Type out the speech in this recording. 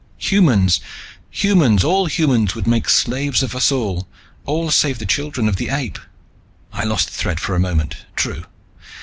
"... humans, humans, all humans would make slaves of us all, all save the Children of the Ape...." I lost the thread for a moment. True.